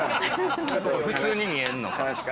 普通に見えんのか。